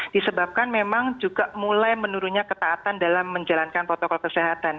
disebabkan memang juga mulai menurunnya ketaatan dalam menjalankan protokol kesehatan